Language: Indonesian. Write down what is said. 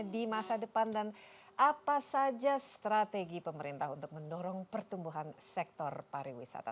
di masa depan dan apa saja strategi pemerintah untuk mendorong pertumbuhan sektor pariwisata